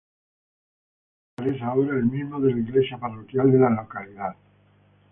Ese lugar es ahora el mismo de la iglesia parroquial de la localidad.